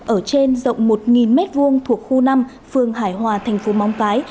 ở trên rộng một m hai thuộc khu năm phương hải hòa tp móng cái